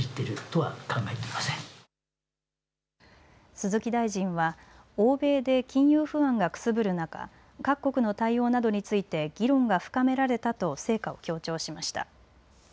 鈴木大臣は欧米で金融不安がくすぶる中、各国の対応などについて議論が深められたと成果を強調しました。